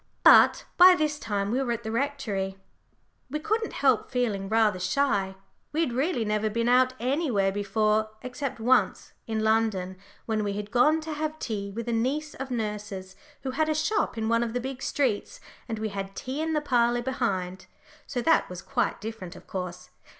But by this time we were at the Rectory. We couldn't help feeling rather shy; we had really never been out anywhere before except once, in London, when we had gone to have tea with a niece of nurse's, who had a shop in one of the big streets, and we had tea in the parlour behind. So that was quite different, of course.